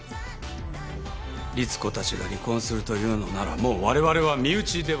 リツコたちが離婚するというのならもうわれわれは身内ではない。